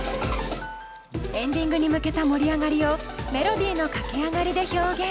エンディングに向けた盛り上がりをメロディーの駆け上がりで表現。